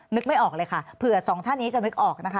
นึกไม่ออกเลยค่ะเผื่อสองท่านนี้จะนึกออกนะคะ